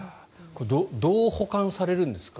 どう保管されるんですか？